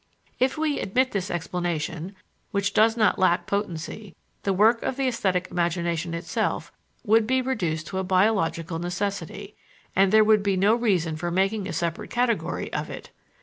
_ If we admit this explanation, which does not lack potency, the work of the esthetic imagination itself would be reduced to a biological necessity, and there would be no reason for making a separate category of it.